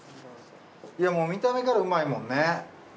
もう見た目から美味いもんね。